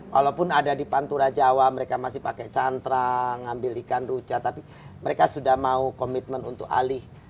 walaupun ada di pantura jawa mereka masih pakai cantrang ngambil ikan ruca tapi mereka sudah mau komitmen untuk alih